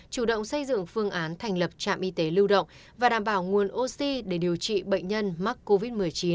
chủ động xây dựng phương án thành lập trạm y tế lưu động và đảm bảo nguồn oxy để điều trị bệnh nhân mắc covid một mươi chín